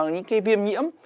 những cái viêm nhiễm